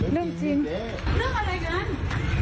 เรื่องจริงเรื่องจริงเรื่องอะไรอย่างนั้น